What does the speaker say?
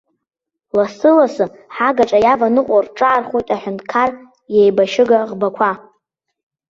Лассы-лассы ҳагаҿа иаваныҟәо рҿаархоит аҳәынҭқар иеибашьыга ӷбақәа.